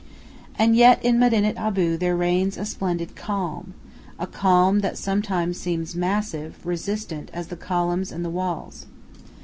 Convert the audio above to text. And yet in Medinet Abu there reigns a splendid calm a calm that sometimes seems massive, resistant, as the columns and the walls.